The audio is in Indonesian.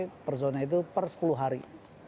itu per zona itu per sepuluh hari